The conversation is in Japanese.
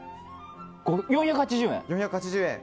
４８０円。